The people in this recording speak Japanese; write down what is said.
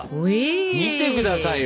見てくださいよ！